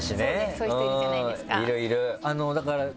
そういう人いるじゃないですか。